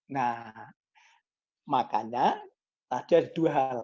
nah makanya ada dua hal